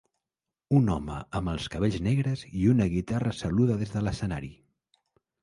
Un home amb els cabells negres i una guitarra saluda des de l'escenari.